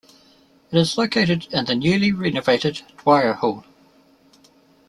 It is located in the newly renovated Dwire Hall.